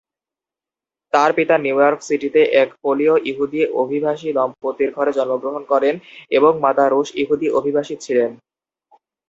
তার পিতা New York সিটিতে এক পোলীয় ইহুদি অভিবাসী দম্পতির ঘরে জন্মগ্রহণ করেন, এবং মাতা রুশ ইহুদি অভিবাসী ছিলেন।